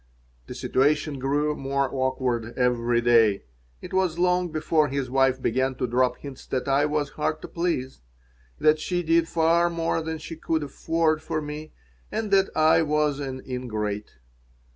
The situation grew more awkward every day. It was not long before his wife began to drop hints that I was hard to please, that she did far more than she could afford for me and that I was an ingrate.